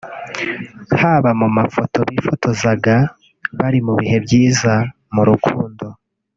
haba mu mafoto bifotozaga bari mu bihe byiza mu rukundo